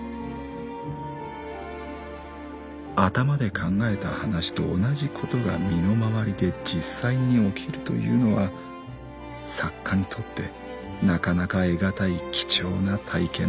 「頭で考えた話と同じことが身の回りで実際に起きるというのは作家にとってなかなか得難い貴重な体験なのである」。